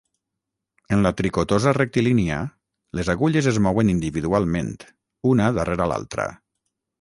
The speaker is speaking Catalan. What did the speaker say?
En la tricotosa rectilínia, les agulles es mouen individualment, una darrera l'altra.